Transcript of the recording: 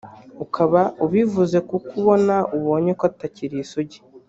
ukaba ubivuze kuko ubona abonye ko utakiri isugi